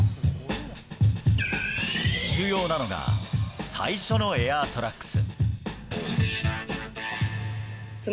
重要なのが最初のエアートラックス。